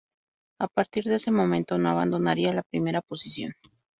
A partir de ese momento no abandonaría la primera posición.